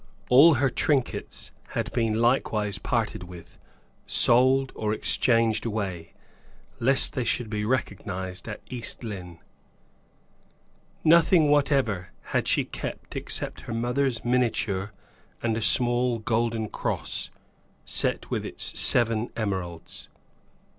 All her trinkets had been likewise parted with, sold or exchanged away, lest they should be recognized at East Lynne. Nothing whatever had she kept except her mother's miniature and a small golden cross, set with its seven emeralds.